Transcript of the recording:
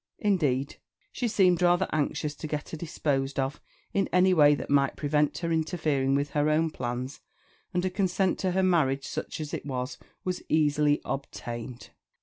Indeed, she seemed rather anxious to get her disposed of in any way that might prevent her interfering with her own plans; and a consent to her marriage, such as it was, was easily obtained.